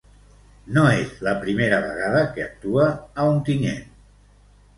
No és la primera vegada que actue a Ontinyent.